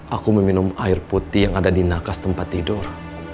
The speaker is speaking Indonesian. aku meminum air putih yang ada di nakas tempat tidur